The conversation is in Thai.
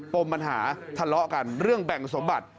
ปมปัญหาทะเลาะกันเรื่องแบ่งสมบัติ